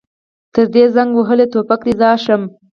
تر دې زنګ وهلي ټوپک دې ځار شم.